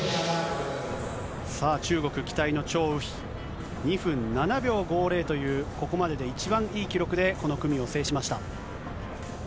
さあ、中国期待の張雨霏、２分７秒５０という、ここまでで一番いい記録でこの組を制しました。